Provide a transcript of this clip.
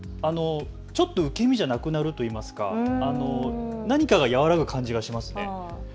ちょっと受け身じゃなくなるといいますか、何かが和らぐ感じがします。